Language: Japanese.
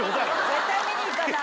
絶対見に行かない。